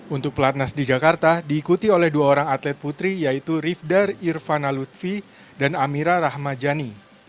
untuk pelatnas di jakarta diikuti oleh dua orang atlet putri yaitu rifdar irvana lutfi dan amira rahmajani